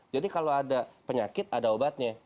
jadi kalau ada penyakit ada obatnya